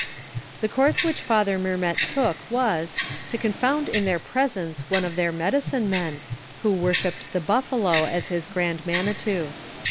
"Tlie course which Father Mermet took was, to confound in their presence one of their medicine mon, who worshipped the buffalo as his grand mouitou.